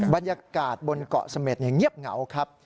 บรรยากาศบนเกาะเสม็ดเงียบเหงาครับ